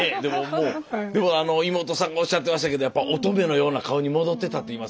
でもあの妹さんがおっしゃってましたけどやっぱ乙女のような顔に戻ってたって言いますから。